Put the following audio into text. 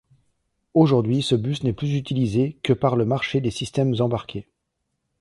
Aujourd'hui ce bus n'est plus utilisé que par le marché des systèmes embarqués.